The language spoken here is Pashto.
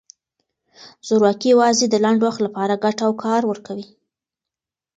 زورواکي یوازې د لنډ وخت لپاره ګټه او کار ورکوي.